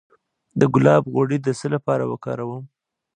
د ګلاب غوړي د څه لپاره وکاروم؟